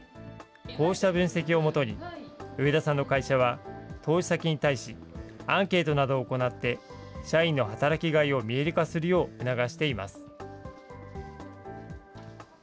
こうした分析をもとに、上田さんの会社は投資先に対し、アンケートなどを行って、社員の働きがいを見える化するよう促しています。